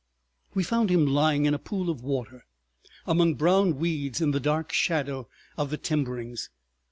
We found him lying in a pool of water, among brown weeds in the dark shadow of the timberings.